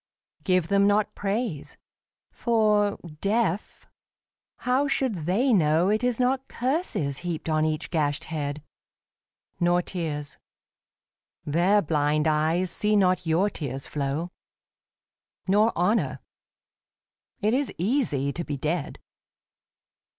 Give them not praise. For, deaf, how should they know It is not curses heaped on each gashed head ? Nor tears. Their blind eyes see not your tears flow. Nor honour. It is easy to be dead.